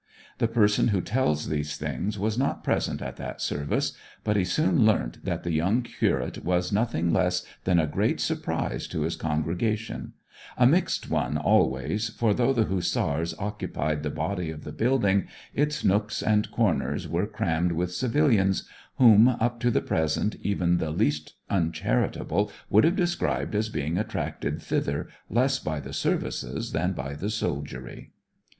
The person who tells these things was not present at that service, but he soon learnt that the young curate was nothing less than a great surprise to his congregation; a mixed one always, for though the Hussars occupied the body of the building, its nooks and corners were crammed with civilians, whom, up to the present, even the least uncharitable would have described as being attracted thither less by the services than by the soldiery.